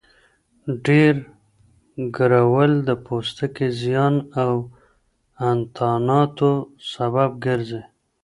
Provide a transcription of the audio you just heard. ډېر ګرول د پوستکي زیان او انتاناتو سبب ګرځي.